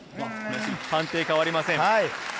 判定、変わりません。